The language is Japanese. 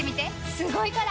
すごいから！